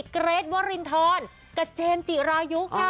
เกรทวรินทรกับเจมส์จิรายุค่ะ